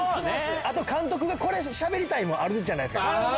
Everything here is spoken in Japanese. あと監督がこれしゃべりたいもあるじゃないですか。